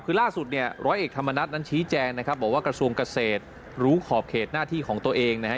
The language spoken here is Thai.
คือล่าสุดเนี่ยร้อยเอกธรรมนัฐนั้นชี้แจงนะครับบอกว่ากระทรวงเกษตรรู้ขอบเขตหน้าที่ของตัวเองนะฮะ